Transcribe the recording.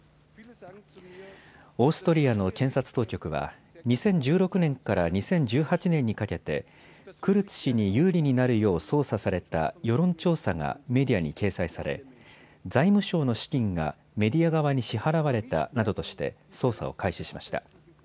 オーストリアの検察当局は２０１６年から２０１８年にかけてクルツ氏に有利になるよう操作された世論調査がメディアに掲載され財務省の資金がメディア側に支払われたなどとして捜査を開始しました。